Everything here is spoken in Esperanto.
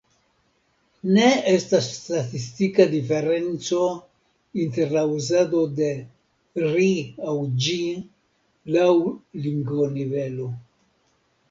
Ne estas statistika diferenco inter la uzado de ”ri” aŭ ”ĝi” laŭ lingvonivelo.